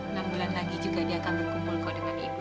enam bulan lagi juga dia akan berkumpul kok dengan ibu